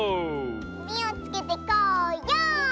みをつけてこうよう！